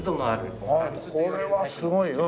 ああこれはすごい。